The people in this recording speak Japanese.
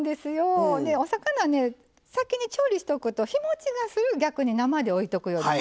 お魚、先に調理しておくと日もちがする逆に生で置いておくよりも。